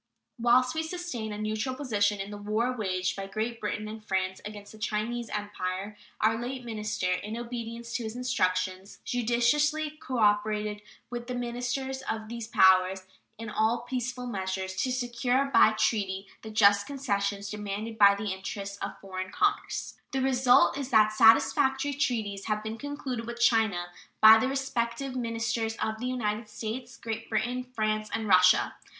Whilst we sustained a neutral position in the war waged by Great Britain and France against the Chinese Empire, our late minister, in obedience to his instructions, judiciously cooperated with the ministers of these powers in all peaceful measures to secure by treaty the just concessions demanded by the interests of foreign commerce. The result is that satisfactory treaties have been concluded with China by the respective ministers of the United States, Great Britain, France, and Russia.